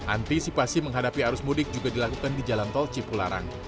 antisipasi menghadapi arus mudik juga dilakukan di jalan tol cipularang